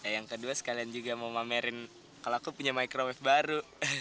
yang kedua sekalian juga mau pamerin kalau aku punya microwave baru